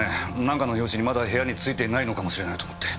なんかの拍子にまだ部屋に着いてないのかもしれないと思って。